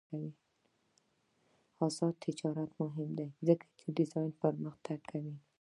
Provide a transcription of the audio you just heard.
آزاد تجارت مهم دی ځکه چې ډیزاین پرمختګ کوي.